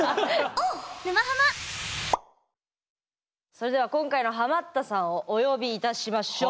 それでは今回のハマったさんをお呼びいたしましょう。